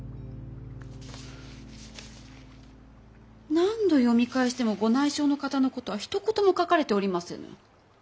何度読み返してもご内証の方のことはひと言も書かれておりませぬ。